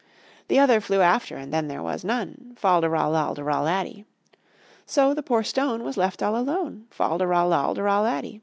The other flew after and then there was none, Fal de ral al de ral laddy. So the poor stone was left all alone, Fal de ral al de ral laddy.